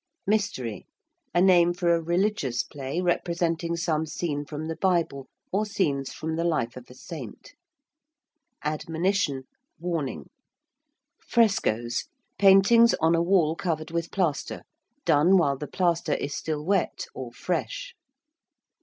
~mystery~: a name for a religious play representing some scene from the Bible or scenes from the life of a saint. ~admonition~: warning. ~frescoes~: paintings on a wall covered with plaster done while the plaster is still wet or fresh.